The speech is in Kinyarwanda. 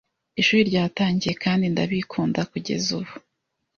Ishuri ryatangiye kandi ndabikunda kugeza ubu.